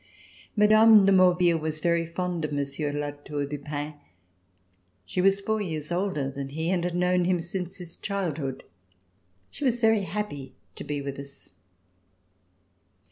Mme. de Maurville was very fond of Monsieur de La Tour du Pin. She was four years older than he and had known him since his childhood. She was very happy to be with us.